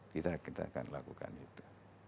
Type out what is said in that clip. kita akan lakukan itu